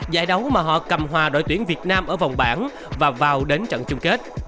giải đấu mà họ cầm hòa đội tuyển việt nam ở vòng bảng và vào đến trận chung kết